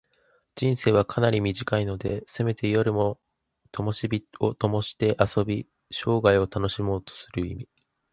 人生ははかなく短いので、せめて夜も灯をともして遊び、生涯を楽しもうという意味。